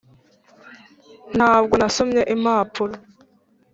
] ntabwo nasomye impapuro,.